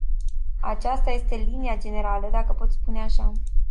Aceasta este linia generală, dacă pot spune așa.